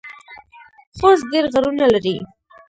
خوست ډیر غرونه لري